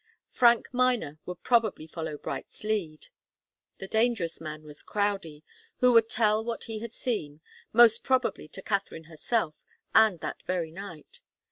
Frank Miner would probably follow Bright's lead. The dangerous man was Crowdie, who would tell what he had seen, most probably to Katharine herself, and that very night.